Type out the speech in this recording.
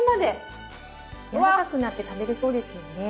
やわらかくなって食べれそうですよね。